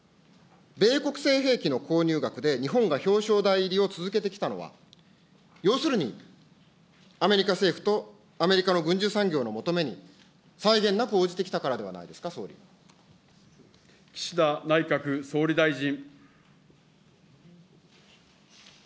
米国製兵器の購入額で、日本が表彰台入りを続けてきたのは、要するに、アメリカ政府とアメリカの軍事産業の求めに、際限なく応じてきた岸田内閣総理大臣。